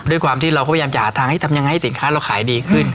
ด้วยความที่เราพยายามจะหาทางให้ทำยังไงให้สินค้าเราขายดีขึ้น